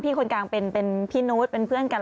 คนกลางเป็นพี่นุษย์เป็นเพื่อนกัน